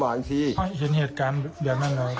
ไม่รู้ที่จะเห็นเหตุการณ์แบบนั้นมั้ย